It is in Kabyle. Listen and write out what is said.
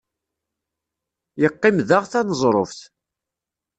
Yeqqim daɣ taneẓruft.